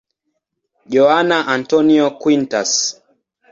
Joana Antónia Quintas.